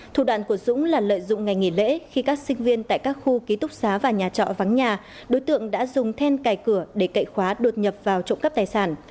thủ đoạn của dũng là lợi dụng ngày nghỉ lễ khi các sinh viên tại các khu ký túc xá và nhà trọ vắng nhà đối tượng đã dùng then cài cửa để cậy khóa đột nhập vào trộm cắp tài sản